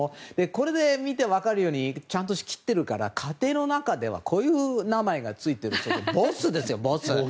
これで見て分かるようにちゃんと仕切ってるから家庭の中では、こういう名前がついているということでボスですよ、ボス。